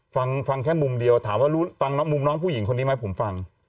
ฟังฟังแค่มุมเดียวถามว่ารู้ฟังมุมน้องผู้หญิงคนนี้ไหมผมฟัง